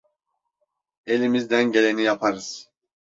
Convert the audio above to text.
Elimizden geleni yaparız.